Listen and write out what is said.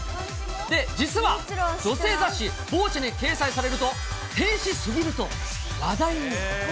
で、実は女性雑誌、ボーチェに掲載されると、天使すぎると話題に。